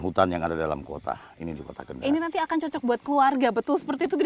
hutan yang ada dalam kota ini di kota gede ini nanti akan cocok buat keluarga betul seperti itu jadi